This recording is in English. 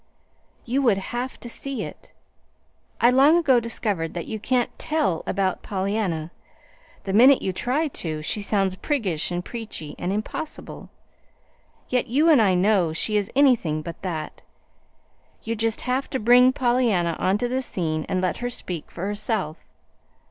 You would have to see it. I long ago discovered that you can't TELL about Pollyanna. The minute you try to, she sounds priggish and preachy, and impossible. Yet you and I know she is anything but that. You just have to bring Pollyanna on to the scene and let her speak for herself.